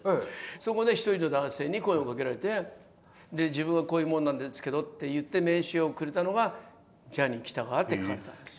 そこで１人の男性に声をかけられて「自分はこういう者なのですけど」って言って名刺をくれたのが「ジャニー喜多川」って書かれてたんです。